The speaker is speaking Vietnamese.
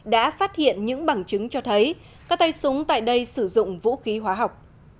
đã phát hiện những bằng chứng cho thấy các tay súng tại đây sử dụng vũ khí hóa học